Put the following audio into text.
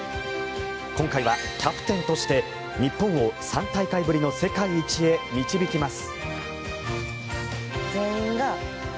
今回はキャプテンとして日本を３大会ぶりの世界一へ導きます。